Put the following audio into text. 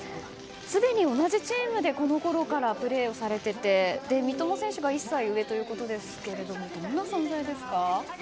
すでに同じチームでこのころからプレーをされていて三笘選手が１歳上ということですがどんな存在ですか？